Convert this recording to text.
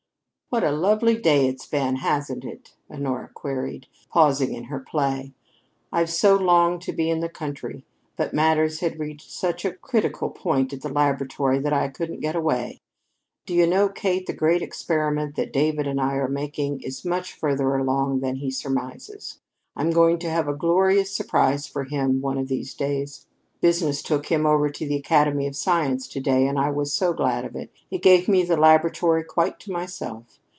"What a lovely day it's been, hasn't it?" Honora queried, pausing in her play. "I've so longed to be in the country, but matters had reached such a critical point at the laboratory that I couldn't get away. Do you know, Kate, the great experiment that David and I are making is much further along than he surmises! I'm going to have a glorious surprise for him one of these days. Business took him over to the Academy of Science to day and I was so glad of it. It gave me the laboratory quite to myself.